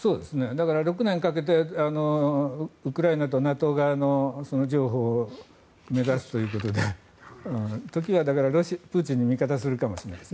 だから、６年かけてウクライナとＮＡＴＯ側を目指すということで時がプーチンに味方するかもしれないです。